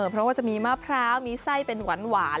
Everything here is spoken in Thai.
เพราะว่าจะมีมะพร้าวมีไส้เป็นหวาน